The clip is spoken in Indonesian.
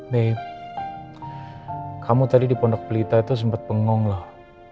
nih kamu tadi di pondok pelita itu sempat bengong loh